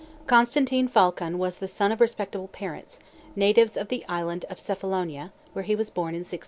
Constantine Phaulkon was the son of respectable parents, natives of the island of Cephalonia, where he was born in 1630.